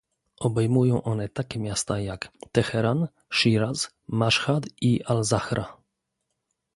obejmują one takie miasta, jak Teheran, Sziraz, Maszhad i Alzahra